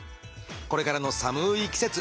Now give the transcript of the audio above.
これからの寒い季節